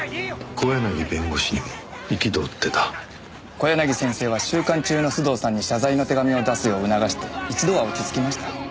小柳先生は収監中の須藤さんに謝罪の手紙を出すよう促して一度は落ち着きました。